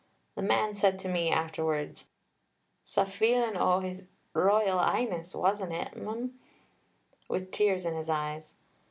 The man said to me afterwards, 'Sa feelin' o' Is Royal Ighness, wasn't it, m'm?' with tears in his eyes.